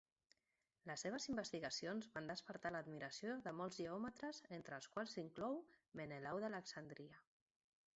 Les seves investigacions van despertar l'admiració de molts geòmetres entre els quals s'inclou Menelau d'Alexandria.